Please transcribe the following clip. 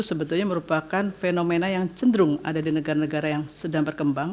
sebetulnya merupakan fenomena yang cenderung ada di negara negara yang sedang berkembang